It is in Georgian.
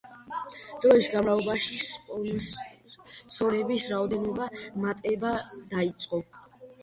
დროის განმავლობაში, სპონსორების რაოდენობამ მატება დაიწყო.